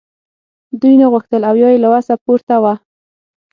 دوی نه غوښتل او یا یې له وسه پورته وه